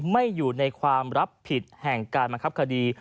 ไม่อยู่ในความรับผิดแห่งการบังคับคดี